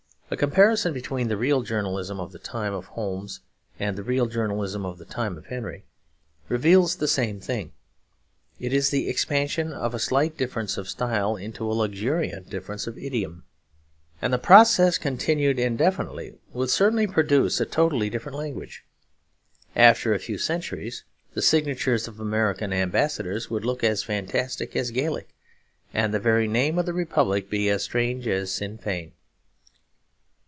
A comparison between the real journalism of the time of Holmes and the real journalism of the time of Henry reveals the same thing. It is the expansion of a slight difference of style into a luxuriant difference of idiom; and the process continued indefinitely would certainly produce a totally different language. After a few centuries the signatures of American ambassadors would look as fantastic as Gaelic, and the very name of the Republic be as strange as Sinn Fein.